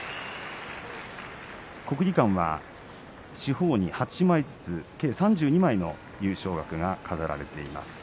国技館は四方に８枚ずつ計３２枚の優勝額が飾られています。